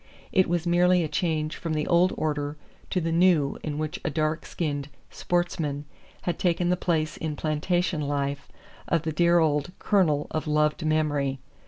It was merely a change from the old order to the new in which a dark skinned "sportsman" had taken the place in plantation life of the dear old "Colonel" of loved memory.